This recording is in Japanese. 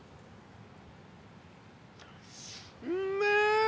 うんめえ。